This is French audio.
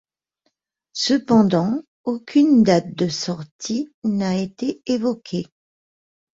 Cependant, aucune date de sortie n'a été évoquée.